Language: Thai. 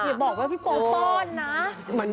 อย่าบอกว่าพี่โปป้อนนะ